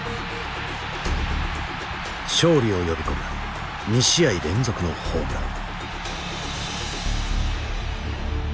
勝利を呼び込む２試合連続のホームラン。